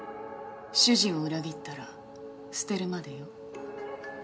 主人を裏切ったら捨てるまでよ。